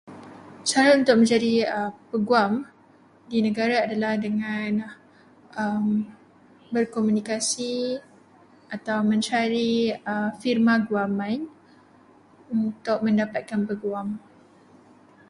Cara untuk mencari peguam di negara adalah dengan berkomunikasi atau dengan mencari firma guaman untuk mendapatkan peguam.